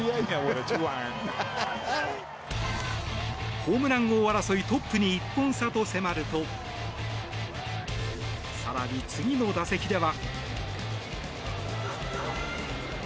ホームラン王争いトップに１本差と迫ると更に、次の打席では。